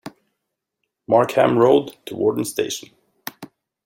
Markham Road to Warden Station.